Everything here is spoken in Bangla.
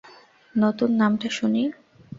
নতুন নামটা শুনি।